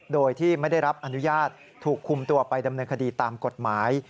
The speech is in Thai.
โดยที่ไม่ได้รับอนุญาตถูกคุมตัวไปดำเนินคดีตามกฎหมาย